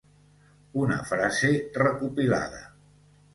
Una frase recopilada.